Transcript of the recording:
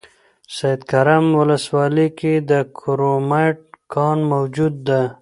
سیدکرم ولسوالۍ کې د کرومایټ کان موجود ده